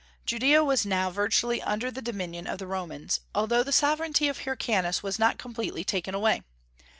Judaea was now virtually under the dominion of the Romans, although the sovereignty of Hyrcanus was not completely taken away.